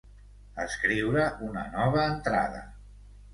Escriure una nova entrada.